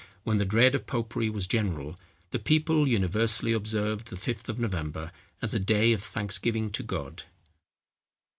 when the dread of popery was general, the people universally observed the Fifth of November as a day of thanksgiving to God.